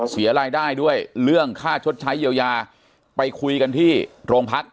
เสียรายได้ด้วยเรื่องค่าชดใช้เยียวยาไปคุยกันที่โรงพัก